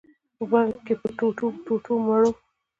بلکي په ټوټو-ټوټو مرو